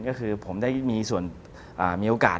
ก็คือผมได้มีส่วนมีโอกาส